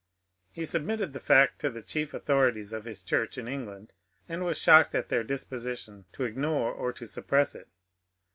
He submitted the fact to the chief authorities of his church in England, and was shocked at their disposition to ignore or to suppress it.